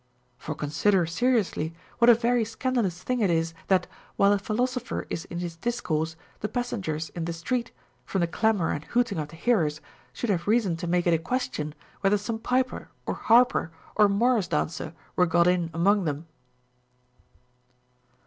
For consider seriously what a OF HEARING. 459 verv scandalous thing it is that, while a philosopher is in his discourse, the passengers in the street, from the clamor and hooting of the hearers, should have reason to make it a question whether some piper or harper or morris dancer were got in among them.